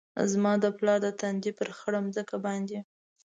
زما د پلار د تندي ، پر خړه مځکه باندي